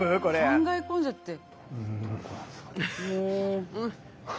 考え込んじゃって。